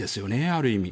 ある意味。